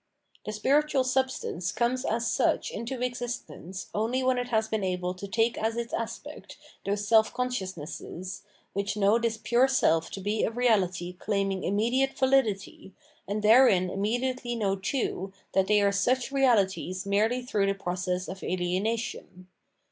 II.— H 514 Phenomenology of Mind The spiritual substance comes as such into existence only when it has been able to take as its aspects those self consciousnesses, which know this pure self to be a reality claiming immediate vahdity, and therein immediately know, too, that they are such reahties merely through the process of alienation.